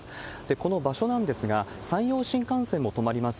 この場所なんですが、山陽新幹線も止まります